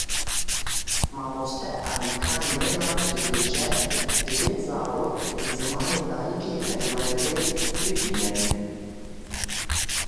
Mamoste Alekan Nyland dibêje divê zarok bi zimanê dayîkê perwerdeyê bibînin.